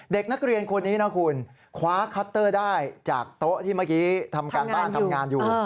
เด็กนักเรียนคนนี้นะคุณคว้าคัตเตอร์ได้จากโต๊ะที่เมื่อกี้ทำการบ้านทำงานอยู่